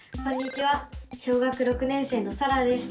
小学６年生のさらです。